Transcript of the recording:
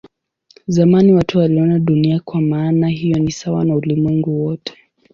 Zamani watu waliona Dunia kwa maana hiyo ni sawa na ulimwengu wote.